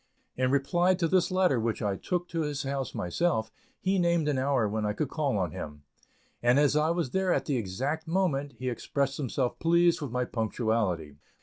In reply to this letter, which I took to his house myself, he named an hour when I could call on him, and as I was there at the exact moment, he expressed himself pleased with my punctuality.